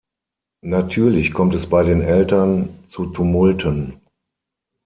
Natürlich kommt es bei den Eltern zu Tumulten.